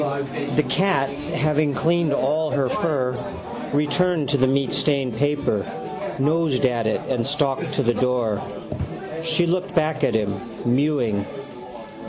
The cat, having cleaned all her fur, returned to the meatstained paper, nosed at it and stalked to the door. She looked back at him, mewing.